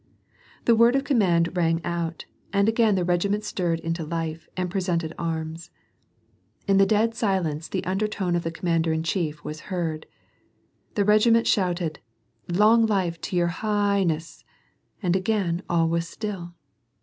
The word of command rang out, again the regiment stirred into life, and presented arms. In the dead silence the under tone of the commander in chief was heard. The regiment shouted, " Long life to your hi i ighness !" and again all was still.